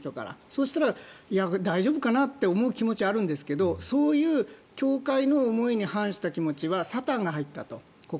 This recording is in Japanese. そうしたら大丈夫かなと思う気持ちはあるんですけど、そういう教会の思いに反した気持ちは心にサタンが入ったと。